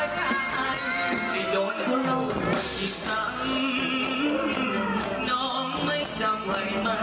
ได้โดนคนเรา